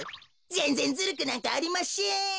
ぜんぜんずるくなんかありましぇん。